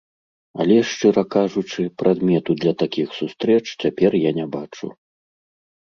Але, шчыра кажучы, прадмету для такіх сустрэч цяпер я не бачу.